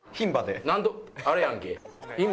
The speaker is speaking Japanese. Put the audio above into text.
あれやんけ牝馬？